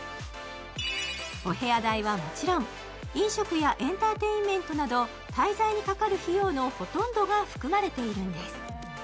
お部屋代はもちろん、飲食やエンターテインメントなど滞在にかかる費用のほとんどが含まれているんです。